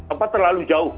apa terlalu jauh